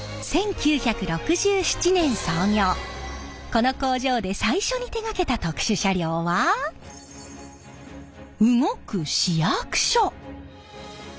この工場で最初に手がけた特殊車両は動く市役所。